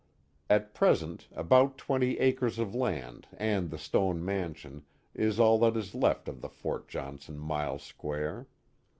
At present about twenty acres of land and the stone man sion is all that is left of the Fort Johnson mile square.